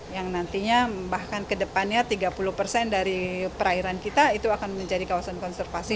yang nantinya bahkan kedepannya tiga puluh persen dari perairan kita itu akan menjadi kawasan konservasi